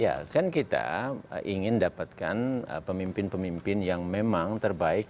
ya kan kita ingin dapatkan pemimpin pemimpin yang memang terbaik